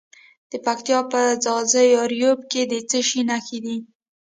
د پکتیا په ځاځي اریوب کې د څه شي نښې دي؟